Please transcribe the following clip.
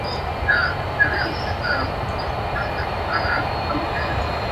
Solo la Casa Imperial Japonesa todavía los usa para ocasiones especiales.